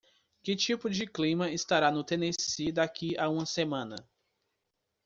Que tipo de clima estará no Tennessee daqui a uma semana?